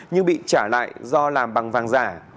thì trả lại do làm bằng vàng giả